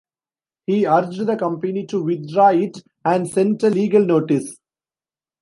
He urged the company to withdraw it and sent a legal notice.